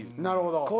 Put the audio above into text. なるほど。